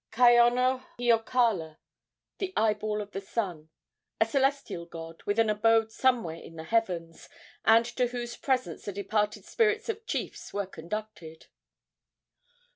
Kaonohiokala (the eyeball of the sun), a celestial god, with an abode somewhere in the heavens, and to whose presence the departed spirits of chiefs were conducted.